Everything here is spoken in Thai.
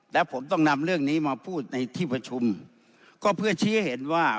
และผมต้องนำเรื่องนี้มาพูดในที่ประชุมก็เพื่อชี้ให้เห็นว่า